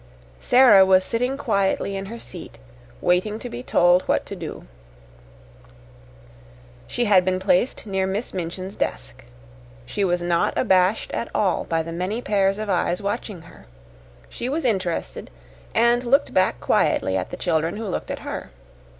Sara was sitting quietly in her seat, waiting to be told what to do. She had been placed near Miss Minchin's desk. She was not abashed at all by the many pairs of eyes watching her. She was interested and looked back quietly at the children who looked at her.